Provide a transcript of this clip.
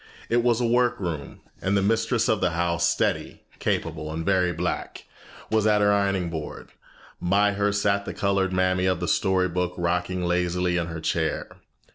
It was a workroom, and the mistress of the house, steady, capable, and very black, was at her ironing board. By her sat the colored mammy of the story book rocking lazily in her chair.